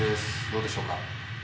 どうでしょうか？